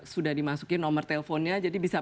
sudah dimasukin nomor teleponnya jadi bisa